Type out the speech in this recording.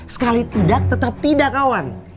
sekali tidak tetap tidak kawan